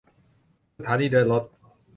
สถานีเดินรถ